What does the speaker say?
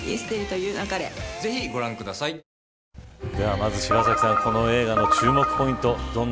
まず柴咲さんこの映画の注目ポイント